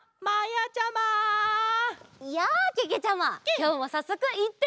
きょうもさっそくいってみよう！